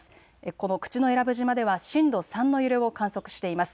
この口永良部島では震度３の揺れを観測しています。